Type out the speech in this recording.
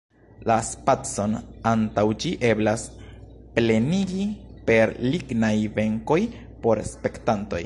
La spacon antaŭ ĝi eblas plenigi per lignaj benkoj por spektantoj.